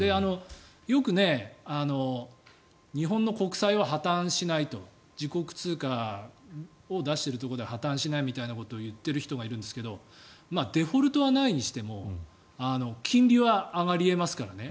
よく、日本の国債は破たんしないと自国通貨を出しているところでは破たんしないみたいなことを言ってる人がいるんですがデフォルトはないにしても金利は上がり得ますからね。